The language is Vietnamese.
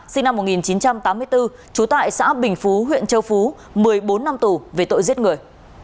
sinh năm một nghìn chín trăm tám mươi bốn trú tại xã bình phú huyện châu phú một mươi bốn năm tù về tội giết người